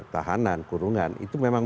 tahanan kurungan itu memang